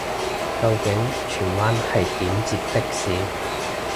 究竟荃灣係點截的士